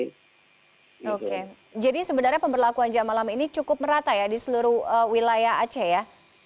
oke jadi sebenarnya pemberlakuan jam malam ini cukup merata ya di seluruh wilayah aceh ya